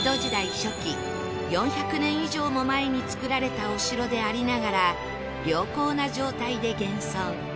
初期４００年以上も前に造られたお城でありながら良好な状態で現存